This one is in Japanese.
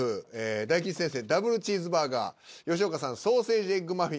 大吉先生「ダブルチーズバーガー」吉岡さん「ソーセージエッグマフィン」